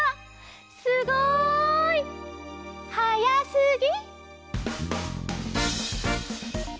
すごい！はやすぎ。